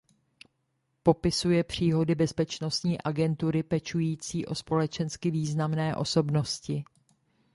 Popisuje příhody bezpečnostní agentury pečující o společensky významné osobnosti.